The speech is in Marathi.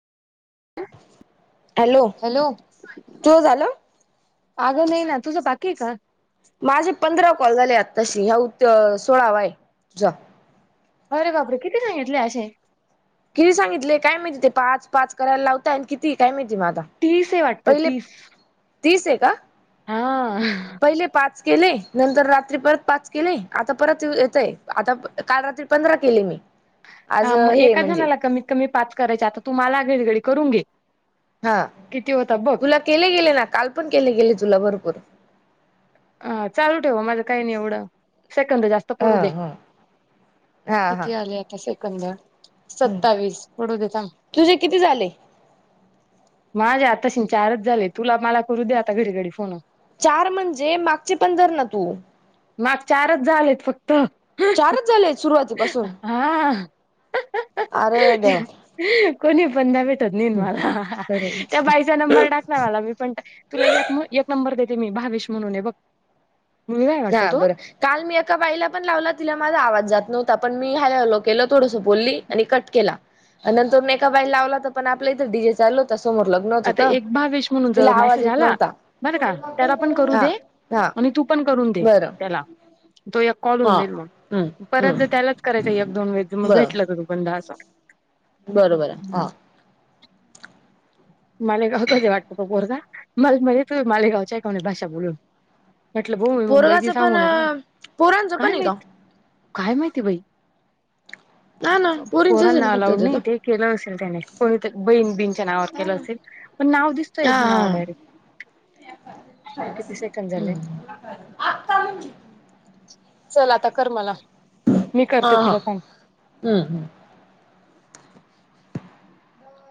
[inaudible] हॅलो तुझ झालं आगं नाही ना तुझं बाकी आहे का माझे पंधरा कॉल झाले आताशी ह उ सोळावा आहे तुझा अरे बापरे किती सांगितले असे किती सांगितले काय माहिती ते पाच पाच करायला लावताय किती काय माहिती मग आता तीस हे वाटतं पहिले तीस तीस आहे का हा पहिले पाच केले नंतर रात्री परत पाच केले आता परत येतंय आता काल रात्री पंधरा केले मी आज हा मग हे एका म्हणजे जणाला कमीत कमी पाच करायचे आता तूम्हाला आगळी वगडी करून घे हा किती होता बघ तुला केले गेले ना काल पण केले गेले तुला भरपूर हा चालू ठेवा माझं काही नाही एवढं सेकंद जास्त हा पडू दे हा हा हा किती आले आता सेकंद सत्तावीस पडू देतं तुझे किती झाले माझे आताशी चारच झाले तुला मला करू दे आता घडी घडी फोन चार म्हणजे मागचे पण धर ना तू माग चारच झालेत फक्त चारच झाले सुरुवातीपासून हा अरे देवा कोणीपण द्यावेत खरंच त्या बाईचा नंबर टाक ना मला मी पण तुला एक नंबर देते ते मी भावीश म्हणून आहे बघ मुलगा आहे वाटतं हा तो बरं काल मी एका बाईला पण लावला तिला माझा आवाज जात नव्हता पण मी हँलो हँलो केलं थोडसं बोलली आणि कट केला अ नंतर एका बाईला लावला तर पण आपलं इथं डीजे चालु होता समोर लग्नच आता होतं एक भावेश म्हणून तिला जर आवाज मेसेज येत आला नव्हता बरं का त्याला पण करू हा दे हा आणि तू पण करून दे बरं त्याला तो करून हा देईल मग हम्म परत जर हम्म त्यालाच करायचं एक दोन वेळेस मग भेटलं तर तु बंद असं बरोबर आहे हम्म. हा मालेगावचाच आहे वाटतं तो पोरगा म मध्ये तू मालेगावच्या एका भाषा बोलू म्हटलं भाऊ मी मुंबईची पोरगाचं पण सांगू नको बरं पोरांचं पण काय आहे का माहित काय माहिती बाई ना हा पोरींचच आहे पोरांना ना फक्त अलाउड तिथं नाहीय केलं असेल त्याने कोणीतरी बहीण बींच्या नावावर हा केलं ना असेल पण नाव दिसतोय नाव डायरेक्ट किती सेकंड झाले आता चल आता कर मला मी हा करते हा तुला थांब हम्म हम्म